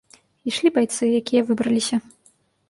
Ішлі байцы, якія выбраліся.